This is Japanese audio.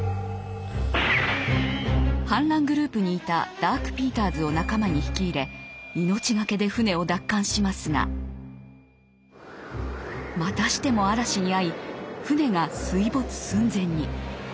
反乱グループにいたダーク・ピーターズを仲間に引き入れ命懸けで船を奪還しますがまたしても嵐に遭い船が水没寸前に。